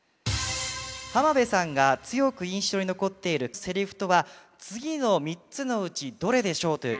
浜辺さんが強く印象に残っているセリフとは次の３つのうちどれでしょうという。